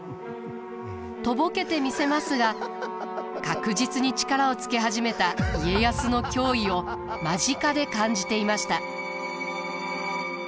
とぼけてみせますが確実に力をつけ始めた家康の脅威を間近で感じていました。